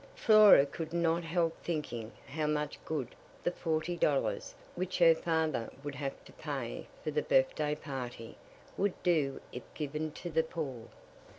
Flora could not help thinking how much good the forty dollars, which her father would have to pay for the birthday party, would do if given to the poor.